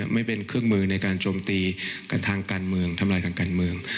ไม่เป็นเครื่องมือในการจมตีกันทางการเมือง